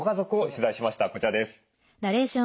こちらです。